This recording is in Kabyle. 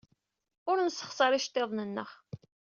Ur nessexṣar iceḍḍiḍen-nneɣ.